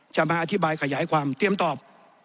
จะมาอธิบายขยายความเตรียมตอบ